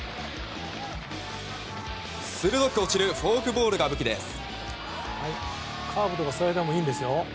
鋭く落ちるフォークボールが武器です。